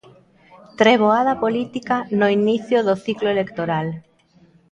Treboada política no inicio do ciclo electoral.